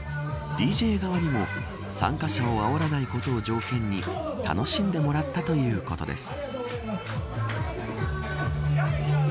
ＤＪ側にも参加者をあおらないことを条件に楽しんでもらったということです。